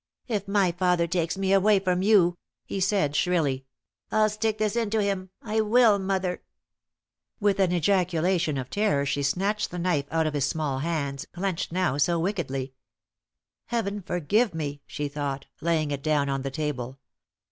"If my father takes me away from you," he said, shrilly, "I'll stick this into him. I will, mother!" With an ejaculation of terror she snatched the knife out of his small hands, clenched now so wickedly. "Heaven forgive me," she thought, laying it down on the table.